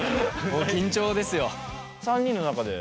もう緊張ですよ。